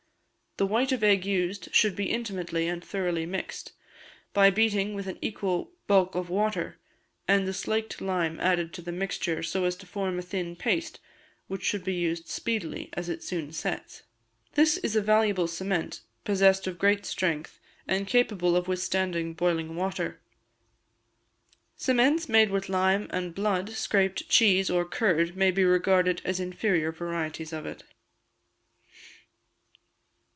The white of egg used should be intimately and thoroughly mixed, by beating with an equal bulk of water, and the slaked lime added to the mixture, so as to form a thin paste, which should be used speedily, as it soon sets. This is a valuable cement, possessed of great strength, and capable of withstanding boiling water. Cements made with lime and blood, scraped cheese, or curd, may be regarded as inferior varieties of it.